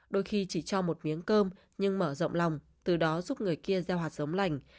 đôi khi chỉ cho một miếng cơm nhưng mở rộng lòng từ đó giúp người kia gieo hạt giống lành